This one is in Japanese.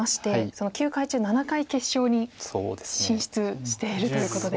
その９回中７回決勝に進出しているということで。